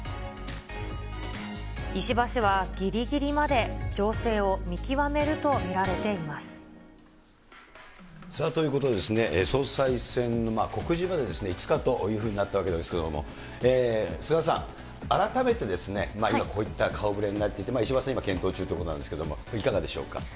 石破氏は、ぎりぎりまで情勢を見極めると見られています。ということでですね、総裁選の告示まで５日というふうになったわけですけれども、菅原さん、改めて、今こういった顔ぶれになっていて、石破さん、今検討中ということなんですけれども、いかがでしょうか。